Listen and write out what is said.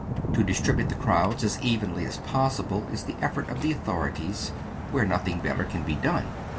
To distribute the crowds as evenly as possible is the effort of the authorities, where nothing better can be done.